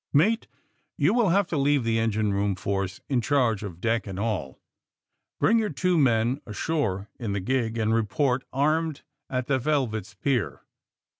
Mate, you will have to leave the engine room force in charge of deck and all. Bring your two fnen ashore in the gig, and report^ armed, at the 'Velvet's' pier."